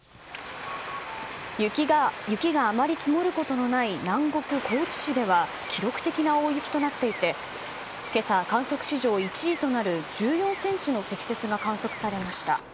雪があまり積もることのない南国高知市では記録的な大雪となっていて今朝、観測史上１位となる１４ｃｍの積雪が観測されました。